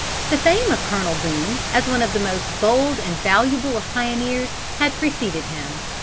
The fame of Colonel Boone, as one of the most bold and valuable of pioneers, had preceded him.